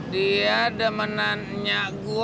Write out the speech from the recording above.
dia demenannya gue